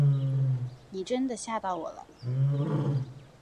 你真的吓到我了